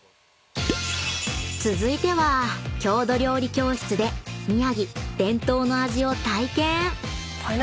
［続いては郷土料理教室で宮城伝統の味を体験］